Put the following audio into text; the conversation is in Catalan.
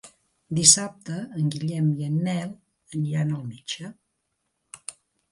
Dissabte en Guillem i en Nel aniran al metge.